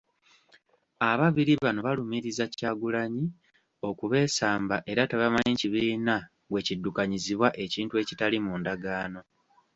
Ababiri bano balumiriza Kyagulanyi okubeesamba era tebamanyi kibiina bwe kiddukanyizibwa, ekintu ekitali mu ndagaano.